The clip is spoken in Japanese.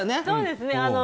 そうですね。